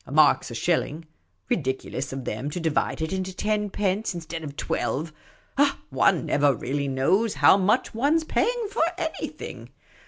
A mark 's a shilling ; ridiculous of them to divide it into ten pence in stead of twelve ; one never really knows how much one 's paying for anything.